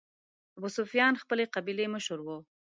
ابوسفیان خپلې قبیلې مشر و.